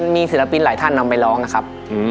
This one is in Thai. มีศิลปินหลายท่านนำไปร้องนะครับ